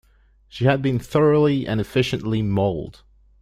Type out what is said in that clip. She had been thoroughly and efficiently mauled.